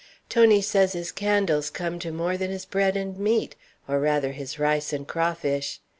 Tony says his candles comes to more than his bread and meat, or, rather, his rice and crawfish.